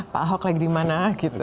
pak ahok lagi di mana gitu